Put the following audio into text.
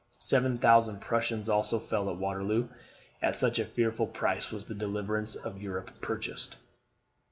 Seven thousand Prussians also fell at Waterloo. At such a fearful price was the deliverance of Europe purchased.